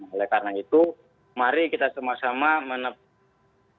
oleh karena itu mari kita sama sama menetapkan